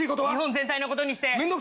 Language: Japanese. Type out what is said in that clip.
日本全体のことにして。